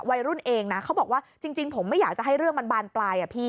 วัยรุ่นเองนะเขาบอกว่าจริงผมไม่อยากจะให้เรื่องมันบานปลายอะพี่